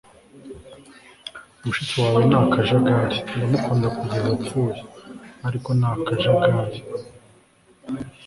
mushiki wanjye ni akajagari. ndamukunda kugeza apfuye, ariko ni akajagari. - rj mitte